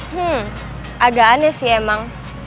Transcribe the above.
hmm agak aneh sih emang